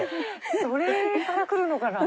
それからくるのかな。